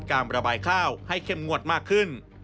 ระบายข้าวให้เข้มงวดมากขึ้น